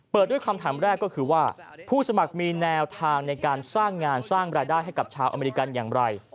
ด้วยคำถามแรกก็คือว่าผู้สมัครมีแนวทางในการสร้างงานสร้างรายได้ให้กับชาวอเมริกันอย่างไร